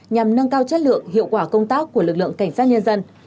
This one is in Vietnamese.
nhằm nâng cao chất lượng hiệu quả công tác của lực lượng cảnh sát nhân dân